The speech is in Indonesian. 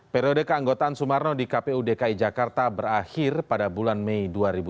periode keanggotaan sumarno di kpu dki jakarta berakhir pada bulan mei dua ribu dua puluh